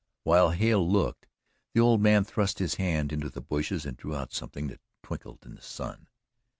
While Hale looked, the old man thrust his hand into the bushes and drew out something that twinkled in the sun.